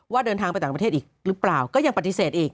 เดินทางไปต่างประเทศอีกหรือเปล่าก็ยังปฏิเสธอีก